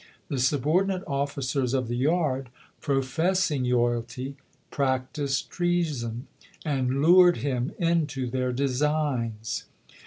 The subordinate officers of the yard, professing loyalty, practiced treason, and lured him into their designs.